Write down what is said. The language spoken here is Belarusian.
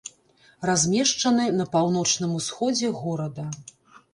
Размешчаны на паўночным усходзе горада.